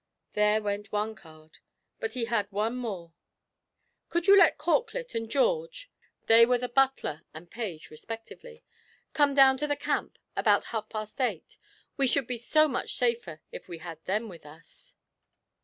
There went one card: he had but one more. 'Could you let Corklett and George' (they were the butler and page respectively) 'come down to the camp about half past eight? We should be so much safer if we had them with us.'